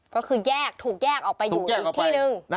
ก็คือแยกถูกแยกออกไปอยู่อีกที่นึง